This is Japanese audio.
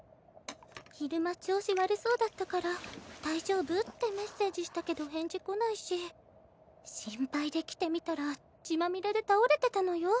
昼間調子悪そうだったから「大丈夫？」ってメッセージしたけど返事来ないし心配で来てみたら血まみれで倒れてたのよ。